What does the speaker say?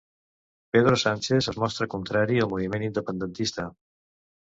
Pedro Sánchez es mostra contrari al moviment independentista